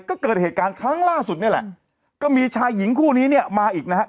ก็เกิดเหตุการณ์ครั้งล่าสุดนี่แหละก็มีชายหญิงคู่นี้เนี่ยมาอีกนะฮะ